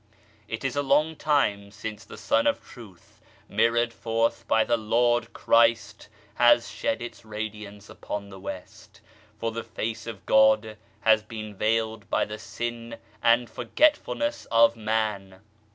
It is a long time since the Sun of Truth mirrored forth by the Lord Christ has shed Its radiance upon the West, for the Face of God has been veiled by the sin and forgetfulness of man.